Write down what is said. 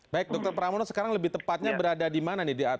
baik dokter pramono sekarang lebih tepatnya berada di mana nih